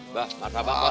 mbak martabak lah